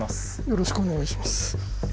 よろしくお願いします。